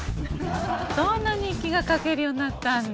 そんな日記が書けるようになったんだ。